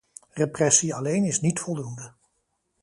Repressie alleen is niet voldoende.